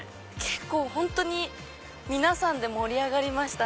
本当皆さんで盛り上がりました。